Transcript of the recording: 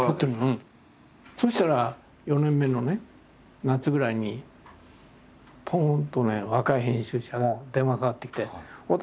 そしたら４年目のね夏ぐらいにポンとね若い編集者から電話かかってきて。